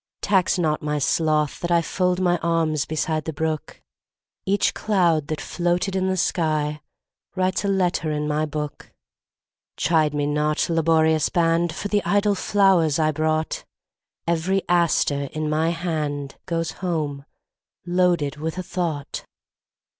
Tax not my sloth that IFold my arms beside the brook; Each cloud that floated in the skyWrites a letter in my book. Chide me not, laborious band, For the idle flowers I brought; Every aster in my handGoes home loaded with a thought.